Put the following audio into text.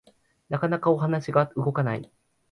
なかなかお話が動かない